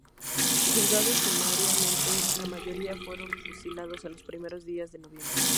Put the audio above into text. Juzgados sumariamente, la mayoría fueron fusilados en los primeros días de noviembre.